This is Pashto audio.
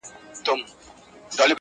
اوس که را هم سي پر څنک رانه تېرېږي،